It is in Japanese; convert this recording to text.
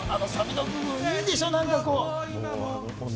サビの部分いいでしょ？